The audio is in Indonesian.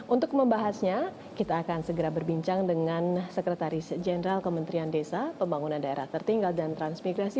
untuk membahasnya kita akan segera berbincang dengan sekretaris jenderal kementerian desa pembangunan daerah tertinggal dan transmigrasi